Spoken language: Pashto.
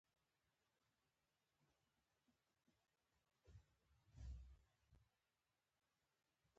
همداسې شخړه او خپل ځان تر نورو مخکې کول هم طبيعي ځانګړنه ده.